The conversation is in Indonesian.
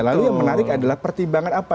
lalu yang menarik adalah pertimbangan apa